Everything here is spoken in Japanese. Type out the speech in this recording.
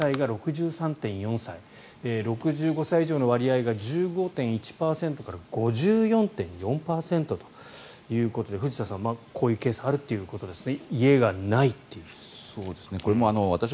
６５歳以上の割合が１５．１％から５４．４％ということで藤田さん、こういうケースがあるということですね。